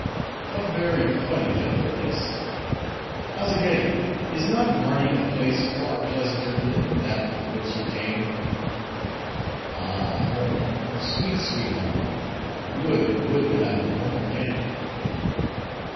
"A very funny devil, this. Azzageddi, is not Mardi a place far pleasanter, than that from whence you came?" "Ah, home! sweet, sweet, home! would, would that I were home again!"